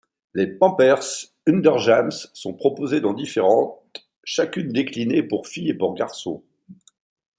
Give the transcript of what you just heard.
Les Pampers UnderJams sont proposées dans différentes, chacune déclinées pour filles et pour garçons.